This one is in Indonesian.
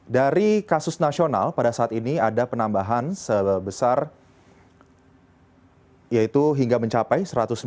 dari kasus nasional pada saat ini ada penambahan sebesar yaitu hingga mencapai satu ratus sembilan puluh enam sembilan ratus delapan puluh sembilan